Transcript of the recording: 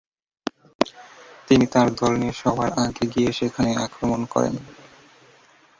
তিনি তার দল নিয়ে সবার আগে গিয়ে সেখানে আক্রমণ করেন।